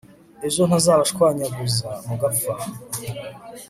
ejo ntazabashwanyaguza mugapfa